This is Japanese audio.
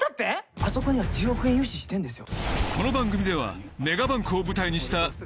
あそこには１０億円融資してるんですよ。